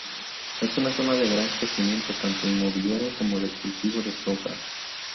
Es una zona de gran crecimiento tanto inmobiliario como de cultivo de soja.